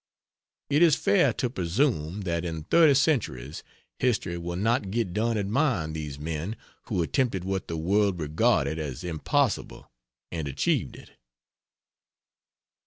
It is fair to presume that in thirty centuries history will not get done admiring these men who attempted what the world regarded as impossible and achieved it.